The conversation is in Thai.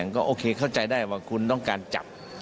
ก็โอเคเข้าใจได้ว่าคุณต้องการจับ